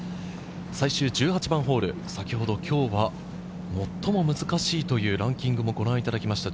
最終１８番ホール、先ほど今日は最も難しいというランキングもご覧いただきました。